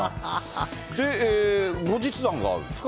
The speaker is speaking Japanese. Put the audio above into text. で、後日談があるんですか？